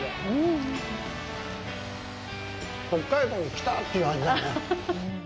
北海道に来た！という味だよね。